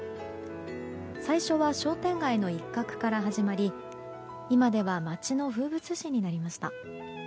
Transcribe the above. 最初は商店街の一角から始まり今では町の風物詩になりました。